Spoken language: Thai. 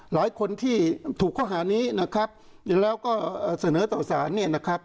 หลายคนที่ถูกข้อหานี้นะครับแล้วก็เสนอต่อสารเนี่ยนะครับ